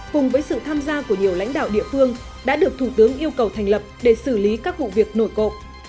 cùng với sự tham gia của nhiều lãnh đạo địa phương đã được thủ tướng yêu cầu thành lập để xử lý các vụ việc nổi cộ